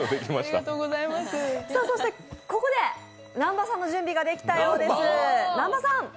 そしてここで南波さんの準備ができたようです。